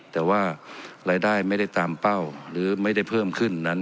แต่ว่ารายได้ไม่ได้ตามเป้าหรือไม่ได้เพิ่มขึ้นนั้น